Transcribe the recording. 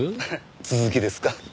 続きですか。